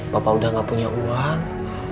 bapak udah gak punya uang